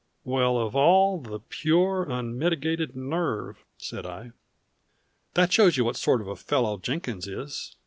"Well of all the pure unmitigated nerve!" said I. "That shows you what sort of fellow Jenkins is.